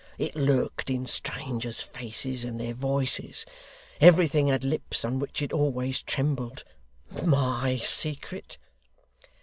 It lurked in strangers' faces, and their voices. Everything had lips on which it always trembled. MY secret!